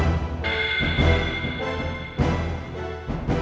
masih ada yang nunggu